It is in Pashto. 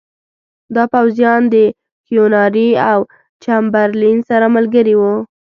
دا پوځیان د کیوناري او چمبرلین سره ملګري وو.